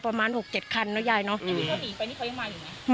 ที่เขานีไปเขายังมาอยู่ไหม